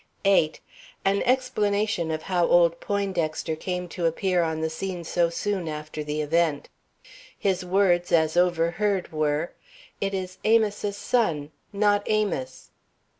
8. An explanation of how old Poindexter came to appear on the scene so soon after the event. His words as overheard were: "It is Amos's son, not Amos!"